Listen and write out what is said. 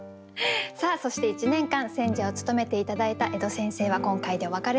さあそして１年間選者を務めて頂いた江戸先生は今回でお別れです。